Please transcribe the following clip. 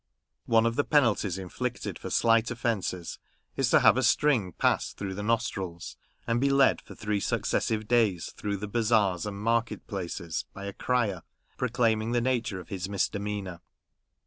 One of the penalties inflicted for slight offences, is to have a string passed through the nostrils, and be led for three successive days through the bazaars aud market places by a crier, proclaiming the nature of his misdemeanour.